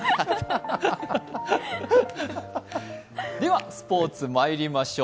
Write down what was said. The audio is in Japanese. では、スポーツにまいりましょう。